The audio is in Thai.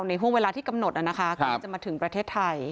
ห่วงเวลาที่กำหนดนะคะจะมาถึงประเทศไทย